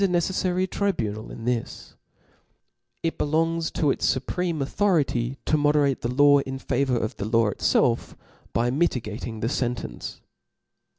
^ ceflary tribunal in this ; it belongs to its fupreme authority to moderate, the law in favour pf the law itfelf, by mitigating the fentence.